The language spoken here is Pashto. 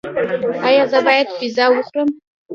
ایا زه باید پیزا وخورم؟